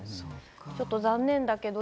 ちょっと残念だけど。